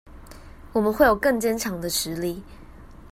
我們會有更堅強的實力